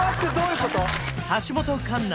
橋本環奈